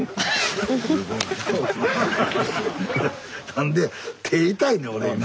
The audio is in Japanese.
何で手痛いねん俺今。